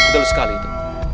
tentu sekali itu